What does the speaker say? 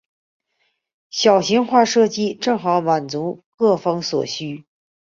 小型化设计正好满足各方所需。